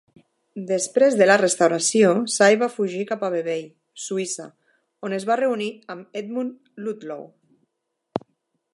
Després de la restauració, Say va fugir cap a Vevey, Suïssa, on es va reunir amb Edmund Ludlow.